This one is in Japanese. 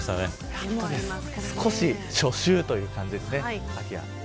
少し初秋という感じですね。